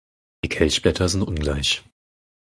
Die Kelchblätter sind ungleich.